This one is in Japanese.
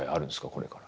これから。